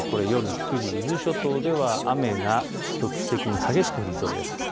夜９時、伊豆諸島では雨が局地的に激しく降りそうです。